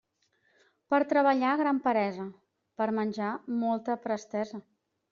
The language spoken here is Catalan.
Per treballar, gran peresa; per menjar, molta prestesa.